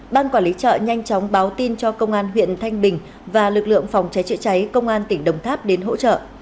ban quản lý chợ nhanh chóng báo tin cho công an huyện thanh bình và lực lượng phòng cháy chữa cháy công an tỉnh đồng tháp đến hỗ trợ